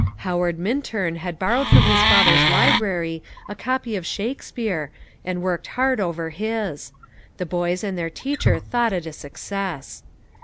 Howard Minturn had borrowed from his father's library a copy of Shakespeare, and worked hard over his; the boys and their teacher thought it a success.